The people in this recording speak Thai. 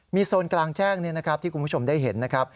มีโซนกลางแจ้งที่คุณผู้ชมได้เห็นนะครับ